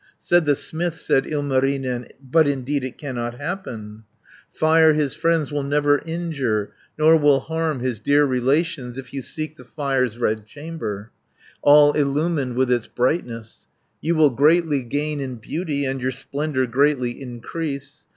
"Said the smith, said Ilmarinen, 'But indeed it cannot happen; Fire his friends will never injure, Nor will harm his dear relations. If you seek the Fire's red chamber, All illumined with its brightness, You will greatly gain in beauty, And your splendour greatly increase.